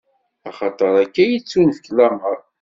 Axaṭer akka i yi-d-ittunefk lameṛ.